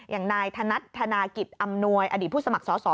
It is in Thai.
อย่างนายธนัดธนากิจอำนวยอดีตผู้สมัครสอสอ